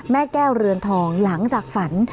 แม่แก้วเรือนทองหลังจากฝัน